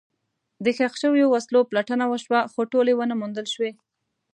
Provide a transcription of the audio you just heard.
د ښخ شوو وسلو پلټنه وشوه، خو ټولې ونه موندل شوې.